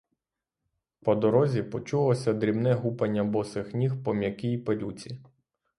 По дорозі почулося дрібне гупання босих ніг по м'якій пилюці.